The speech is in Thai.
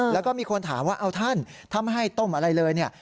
แล้วก็มีคนถามว่าเอาท่านถ้าไม่ให้ต้มอะไรเลยเนี่ย